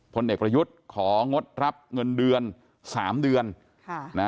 พลเอกประยุทธ์ของงดรับเงินเดือน๓เดือน